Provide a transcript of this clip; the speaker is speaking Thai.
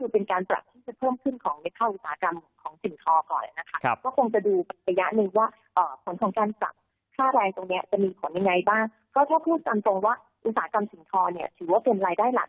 ผู้จำตรงว่าอุตสาหกรรมเศพทอถือว่าเป็นรายได้หลัก